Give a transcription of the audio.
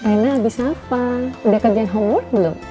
raina abis apa udah kerjaan homework belum